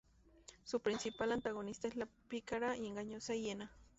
Su principal antagonista es la pícara y engañosa hiena.